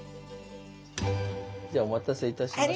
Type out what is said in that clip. じゃお待たせいたしました。